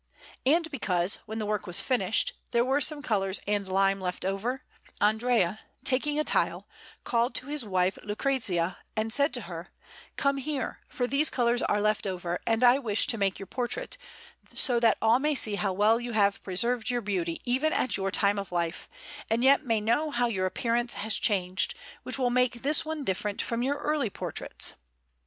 And because, when the work was finished, there were some colours and lime left over, Andrea, taking a tile, called to his wife Lucrezia and said to her: "Come here, for these colours are left over, and I wish to make your portrait, so that all may see how well you have preserved your beauty even at your time of life, and yet may know how your appearance has changed, which will make this one different from your early portraits."